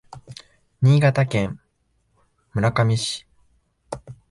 新潟県村上市